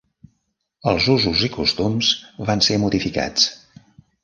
Els usos i costums van ser modificats.